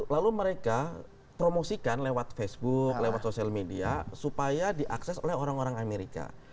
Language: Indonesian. lalu mereka promosikan lewat facebook lewat sosial media supaya diakses oleh orang orang amerika